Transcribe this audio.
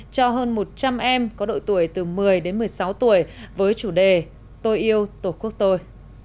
cho hơn một trăm linh em có đội tuổi từ một mươi đến một mươi sáu tuổi với chủ đề tôi yêu tổ quốc tôi